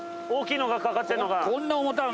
大きいのが掛かってるのが。